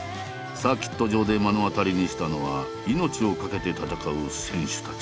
サーキット場で目の当たりにしたのは命をかけて戦う選手たち。